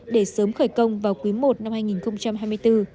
để sớm khởi công vào quý i năm hai nghìn hai mươi bốn